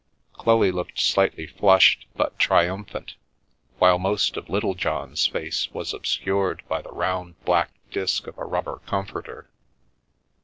Chloe looked slightly flushed but triumphant, while most of Littlejohn's face was obscured by the round black disc of a rubber u comforter."